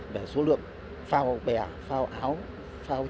về số lượng phao bẻ phao áo phao chân